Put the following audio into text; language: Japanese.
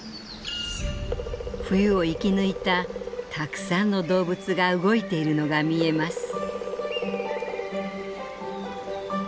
冬を生きぬいたたくさんの動物が動いているのが見えます」。